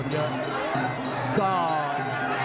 อ้าวเดี๋ยวดูยก๓นะครับ